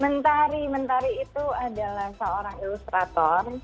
mentari mentari itu adalah seorang ilustrator